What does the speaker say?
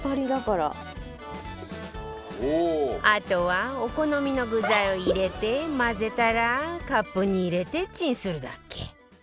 あとはお好みの具材を入れて混ぜたらカップに入れてチンするだけ